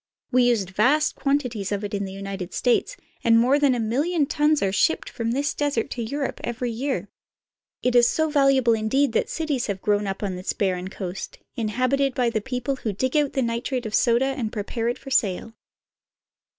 We use vast quantities of it in the United States, and more than a million tons, are shipped from this desert to Europe every year. It is so valuable indeed that cities I02 CHILE. have grown up on this barren coast, inhabited by the people who dig out the nitrate of soda and prepare it for sale.